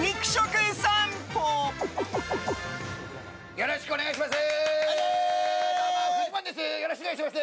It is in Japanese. よろしくお願いします！